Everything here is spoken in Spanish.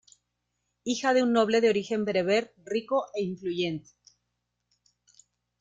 Hija de un noble de origen bereber, rico e influyente.